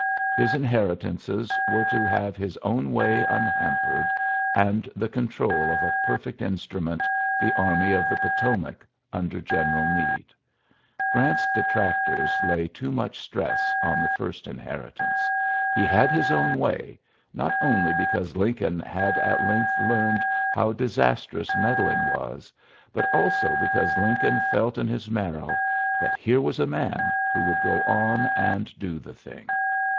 His inheritances w« to have his own way unhampered ac the control of a perfect instrument^ il army of the Potomac under Gener Meade. Grant's detractors lay too mu< stress on the first inheritance. He hs his own way, not only because Lincol had at length learned how disastroi meddling was, but also because linco] felt in his marrow that here was a ms who would go on and do the thing.